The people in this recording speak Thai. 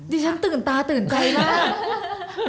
๘๖๐๐พี่ดีฉันตื่นตาตื่นใจมาก